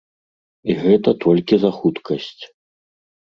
І гэта толькі за хуткасць.